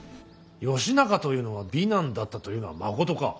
義仲というのは美男だったというのはまことか。